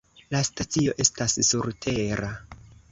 La stacio estas surtera.